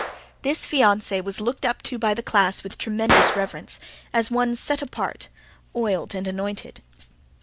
This fiancee was looked up to by the class with tremendous reverence, as one set apart, oiled and anointed.